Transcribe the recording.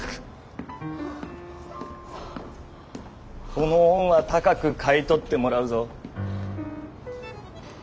この恩は高く買い取ってもらうぞ。